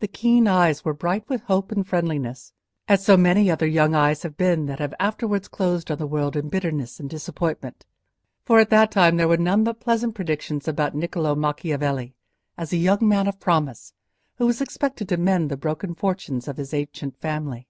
The keen eyes were bright with hope and friendliness, as so many other young eyes have been that have afterwards closed on the world in bitterness and disappointment; for at that time there were none but pleasant predictions about Niccolò Macchiavelli, as a young man of promise, who was expected to mend the broken fortunes of his ancient family.